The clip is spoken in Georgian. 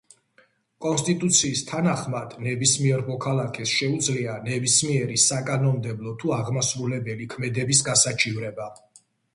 კონსტიტუციის თანახმად, ნებისმიერ მოქალაქეს შეუძლია ნებისმიერი საკანონმდებლო თუ აღმასრულებელი ქმედების გასაჩივრება.